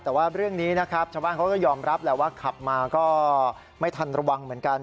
แต่ว่าเรื่องนี้นะครับชาวบ้านเขาก็ยอมรับแหละว่าขับมาก็ไม่ทันระวังเหมือนกัน